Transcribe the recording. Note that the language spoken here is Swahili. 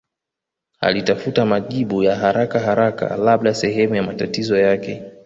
Alitafuta majibu ya harakaharaka labda sehemu ya matatizo yake